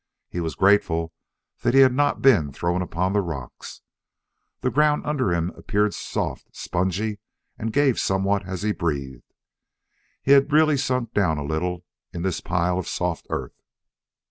He was grateful that he had not been thrown upon the rocks. The ground under him appeared soft, spongy, and gave somewhat as he breathed. He had really sunk down a little in this pile of soft earth.